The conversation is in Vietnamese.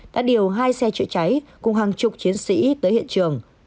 đã điều hai xe chữa cháy cùng hàng chục chiến sĩ tới hiện trường